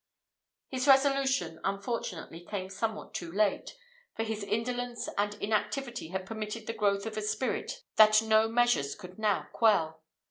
His resolution unfortunately came somewhat too late, for his indolence and inactivity had permitted the growth of a spirit that no measures could now quell.